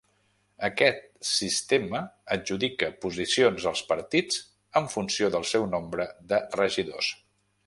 Aquest sistema adjudica posicions als partits en funció del seu nombre de regidors.